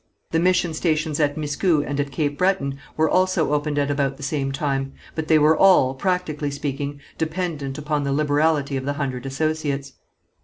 The mission stations at Miscou and at Cape Breton were also opened at about the same time, but they were all, practically speaking, dependent upon the liberality of the Hundred Associates.